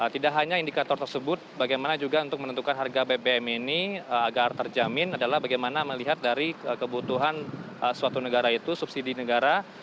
tidak hanya indikator tersebut bagaimana juga untuk menentukan harga bbm ini agar terjamin adalah bagaimana melihat dari kebutuhan suatu negara itu subsidi negara